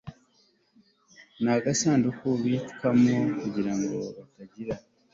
n agasanduku bubikwamo kugira ngo butagira